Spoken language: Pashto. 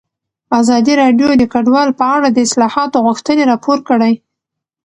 ازادي راډیو د کډوال په اړه د اصلاحاتو غوښتنې راپور کړې.